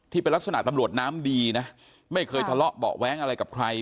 ที่เป็นลักษณะตำรวจน้ำดีนะไม่เคยทะเลาะเบาะแว้งอะไรกับใคร